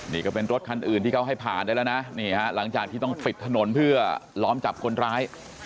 นี่ก็เป็นรถคันอื่นที่เขาให้ผ่านได้แล้วนะนี่ฮะหลังจากที่ต้องปิดถนนเพื่อล้อมจับคนร้าย